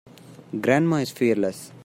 Grandma is fearless.